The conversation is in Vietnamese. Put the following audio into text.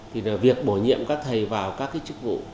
thì việc bổ nhiệm các thầy vào các cái chức vụ